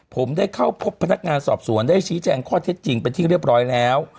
ผมได้เข้าพบพนักงานสอบสวนได้ชี้แจงข้อเท็จจริงเป็นที่เรียบร้อยแล้ว